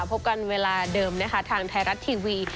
พบกันเวลาเดิมนะคะทางไทยรัฐทีวี